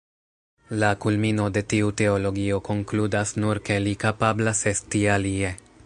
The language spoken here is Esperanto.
La kulmino de tiu teologio konkludas nur ke “Li kapablas esti alie”.